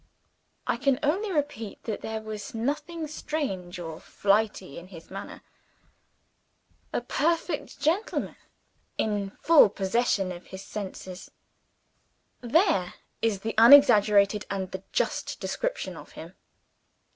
I can only repeat that there was nothing strange or flighty in his manner. A perfect gentleman, in full possession of his senses there is the unexaggerated and the just description of him.